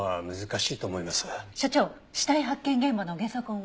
所長死体発見現場のゲソ痕は？